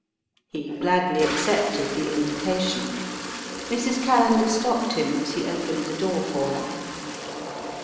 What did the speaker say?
He gladly accepted the invitation. Mrs. Callender stopped him as he opened the door for her.